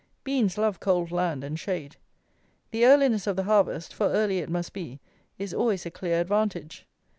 Beans love cold land and shade. The earliness of the harvest (for early it must be) is always a clear advantage.